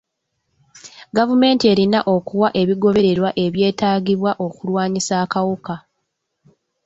Gavumenti erina okuwa ebigoberererwa ebyetaagibwa okulwanyisa akawuka.